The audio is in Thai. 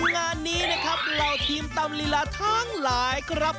งานนี้นะครับเหล่าทีมตำลีลาทั้งหลายครับ